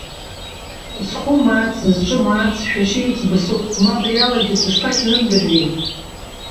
Зхәы маац, зҿы маац шәашьа еиҵбы соуп, ма абри алагьы сышԥашәзымдырри?